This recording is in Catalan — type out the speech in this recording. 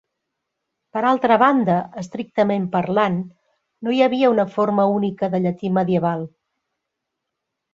Per altra banda, estrictament parlant, no hi havia una forma única de "llatí medieval".